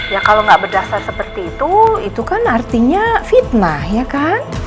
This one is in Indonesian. ya kalau nggak berdasar seperti itu itu kan artinya fitnah ya kan